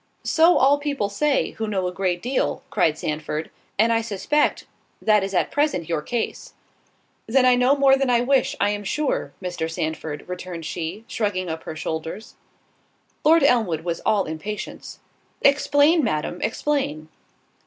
"So all people say, who know a great deal," cried Sandford, "and I suspect that is at present your case." "Then I know more than I wish, I am sure, Mr. Sandford," returned she, shrugging up her shoulders. Lord Elmwood was all impatience. "Explain, Madam, explain."